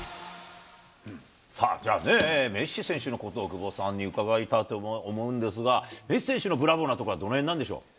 さあ、じゃあね、メッシ選手のことを久保さんに伺いたいと思うんですが、メッシ選手のブラボーなところは、どのへんなんでしょう。